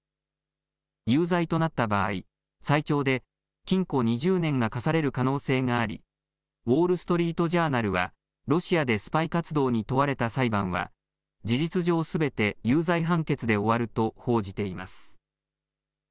有罪となった場合、最長で禁錮２０年が科される可能性がありウォール・ストリート・ジャーナルはロシアでスパイ活動に問われた裁判は事実上すべて有罪判決で終わると報じています。